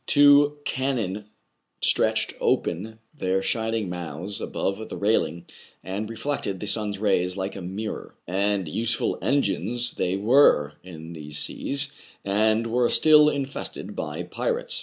Two cannon stretched open their shining mouths above the railing, and reflected the sun's rays like a mirror ; and useful engines they were in these seas, and were still infested by pirates.